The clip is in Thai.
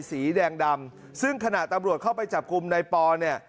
สีแดงดำซึ่งขณะตำรวจเข้าไปจับกลุ่มในปอเนี่ย